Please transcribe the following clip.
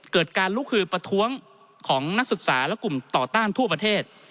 เกิดการลุกคือประท้วงของนักศึกษาและกลุ่มต่อต้านทั่วประเทศ